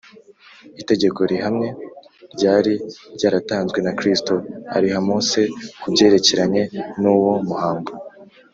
itegeko rihamye ryari ryaratanzwe na kristo, ariha mose ku byerekeranye n’uwo muhango